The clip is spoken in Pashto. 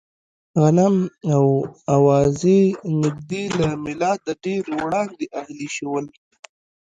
غنم او اوزې نږدې له مېلاده ډېر وړاندې اهلي شول.